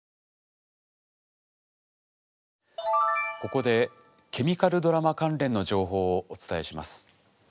ここでケミカルドラマ関連の情報をお伝えします。